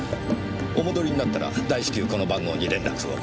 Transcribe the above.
お戻りになったら大至急この番号に連絡を。